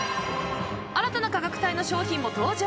［新たな価格帯の商品も登場］